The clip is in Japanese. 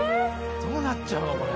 どうなっちゃうのこれ。